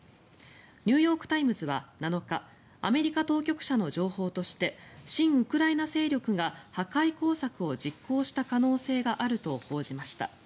ニューヨーク・タイムズは７日アメリカ当局者の情報として親ウクライナ勢力が破壊工作を実行した可能性があると報じました。